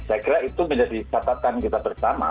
saya kira itu menjadi catatan kita bersama